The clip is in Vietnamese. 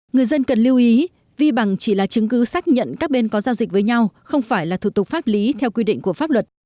người dân cần lưu ý vi bằng chỉ là chứng cứ xác nhận các bên có giao dịch với nhau không phải là thủ tục pháp lý theo quy định của pháp luật